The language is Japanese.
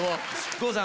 郷さん。